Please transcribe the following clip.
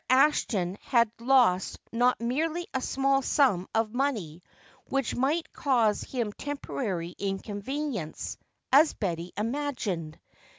Ashton had lost not merely a small sum of money which might cause him temporary inconvenience, as Betty imagined.